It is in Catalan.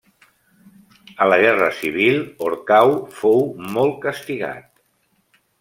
A la Guerra Civil, Orcau fou molt castigat.